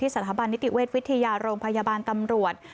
สถาบันนิติเวชวิทยาโรงพยาบาลตำรวจ